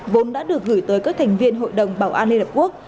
vốn đã được gửi tới các thành viên hội đồng bảo an liên hợp quốc